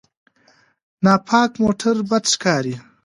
ناپاک موټر بد ښکاري.